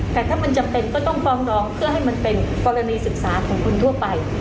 แต่ถ้ามันจำเป็นก็ต้องฟ้องร้องเพื่อให้มันเป็นกรณีศึกษาของคนทั่วไป